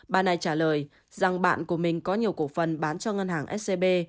bà này trả lời rằng bạn của mình có nhiều cổ phần bán cho ngân hàng scb